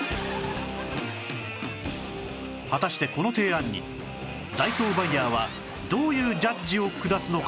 果たしてこの提案にダイソーバイヤーはどういうジャッジを下すのか？